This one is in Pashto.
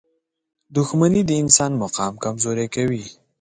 • دښمني د انسان مقام کمزوری کوي.